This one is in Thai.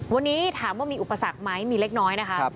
วันนี้ถามว่ามีอุปสรรคไหมมีเล็กน้อยนะคะ